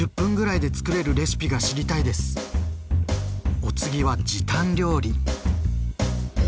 お次は時短料理。